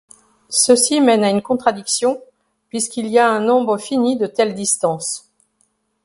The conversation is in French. Ceci mène à une contradiction, puisqu'il y a un nombre fini de telles distances.